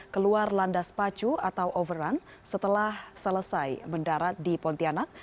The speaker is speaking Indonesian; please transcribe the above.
keluar landas pacu atau overrun setelah selesai mendarat di pontianak